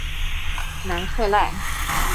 南克赖。